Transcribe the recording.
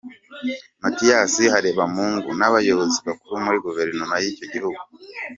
Mathias Harebamungu n’abayobozi bakuru muri guverinoma y’icyo gihugu.